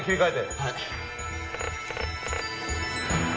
はい。